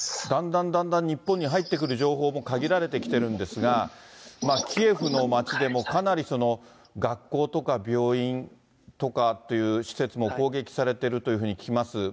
だんだんだんだん日本に入ってくる情報も限られてきてるんですが、キエフの町でもかなり学校とか病院とかという施設も攻撃されているというふうに聞きます。